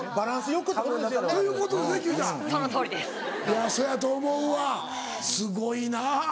いやそうやと思うわすごいなぁ。